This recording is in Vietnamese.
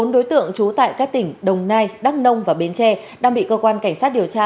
bốn đối tượng trú tại các tỉnh đồng nai đắk nông và bến tre đang bị cơ quan cảnh sát điều tra